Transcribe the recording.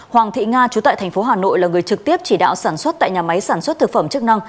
hoàng thị nga chú tại thành phố hà nội là người trực tiếp chỉ đạo sản xuất tại nhà máy sản xuất thực phẩm chức năng